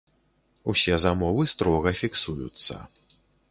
Усе замовы строга фіксуюцца.